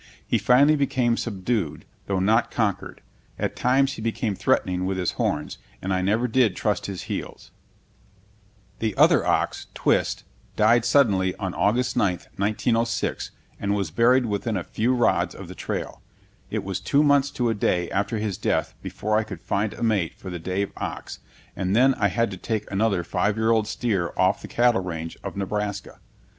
He finally became subdued, though not conquered. At times he became threatening with his horns, and I never did trust his heels. [Illustration: Taking off the wagon box.] The other ox, Twist, died suddenly on August 9, 1906, and was buried within a few rods of the trail. It was two months to a day after his death before I could find a mate for the Dave ox, and then I had to take another five year old steer off the cattle range of Nebraska.